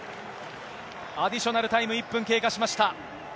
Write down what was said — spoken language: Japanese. アディショナルタイム１分経過しました。